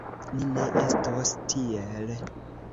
Ni ne estos tiel!